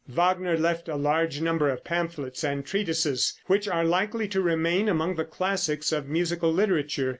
Wagner left a large number of pamphlets and treatises, which are likely to remain among the classics of musical literature.